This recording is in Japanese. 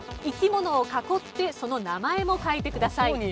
生き物を囲ってその名前も書いてください。